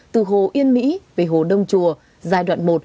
từ hồ yên mỹ về hồ đông chùa giai đoạn một